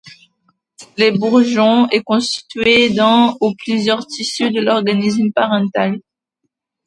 Le bourgeon est constitué d’un ou plusieurs tissus de l’organisme parental.